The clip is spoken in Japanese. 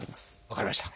分かりました。